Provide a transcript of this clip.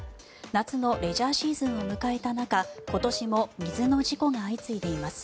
夏のレジャーシーズンを迎えた中今年も水の事故が相次いでいます。